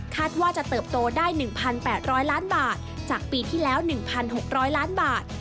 ว่าจะเติบโตได้๑๘๐๐ล้านบาทจากปีที่แล้ว๑๖๐๐ล้านบาท